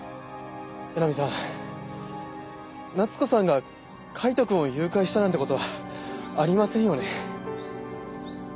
江波さん夏子さんが海人くんを誘拐したなんてことはありませんよね？